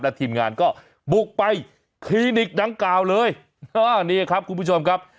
ทีมงานก็บุกไปคลินิกดังกล่าวเลยนี่ครับคุณผู้ชมครับ